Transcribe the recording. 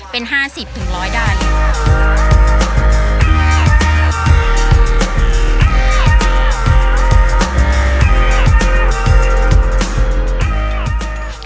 เป็นห้าสิบถึงร้อยด้าน